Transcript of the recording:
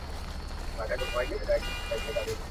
هغې ته دا فکر مه ورکوئ، چي ته د هغه کور وړ نه وې.